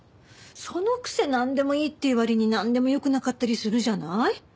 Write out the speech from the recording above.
そのくせなんでもいいって言う割になんでもよくなかったりするじゃない？